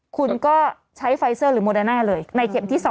คุณก็ใช้ไฟเซอร์หรือโมเดอร์น่าเลยในเข็มที่๒